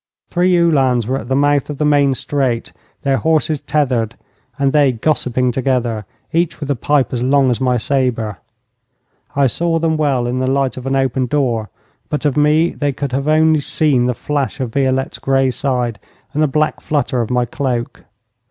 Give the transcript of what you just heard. Three Uhlans were at the mouth of the main street, their horses tethered, and they gossiping together, each with a pipe as long as my sabre. I saw them well in the light of an open door, but of me they could have seen only the flash of Violette's grey side and the black flutter of my cloak.